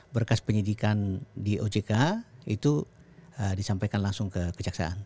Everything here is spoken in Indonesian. berkas penyidikan di ojk itu disampaikan langsung ke kejaksaan